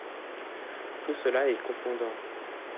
Tout cela est confondant.